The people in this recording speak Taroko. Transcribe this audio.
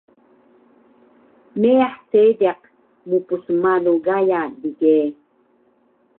Meyah seediq mpsmalu Gaya dige